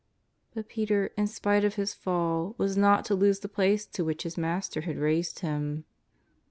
But Peter, in spite of his fall, was not to lose the place to which his Master had raised him.